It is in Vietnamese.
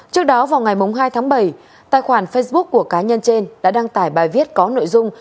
trước đó vào ngày hai tháng bảy tài khoản facebook của cá nhân trên đã đăng tải bài viết có nội dung